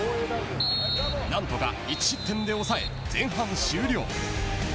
なんとか１失点で抑え前半終了。